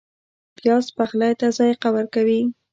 پیاز پخلی ته ذایقه ورکوي